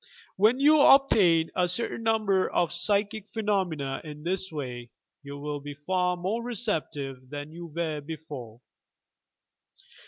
When you obtain a certain number of psychic phenomena in this way, you will be far more receptive than you were before.